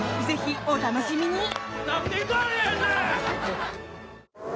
ぜひお楽しみに！